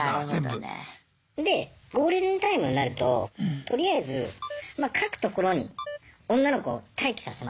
なるほどね。でゴールデンタイムになるととりあえず各ところに女の子を待機させます車の中で。